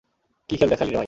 কি খেল দেখালি রে, ভাই!